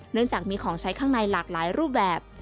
เนื่องจากมีของใช้ข้างในหลากหลายรูปแบบ